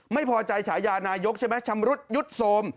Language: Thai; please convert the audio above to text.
ไม่พอใจฉายานายกใช่ไหมชำรุดยุดโทรม